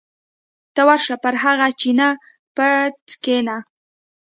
ته ورشه پر هغه چینه پټه کېنه.